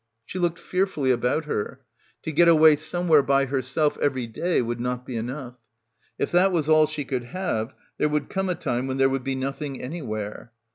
She looked fearfully about her. To get away somewhere by herself every day would not be enough. If that was all she could have, there would come a time when there would be nothing anywhere.